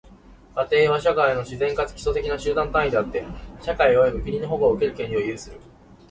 家庭は、社会の自然かつ基礎的な集団単位であって、社会及び国の保護を受ける権利を有する。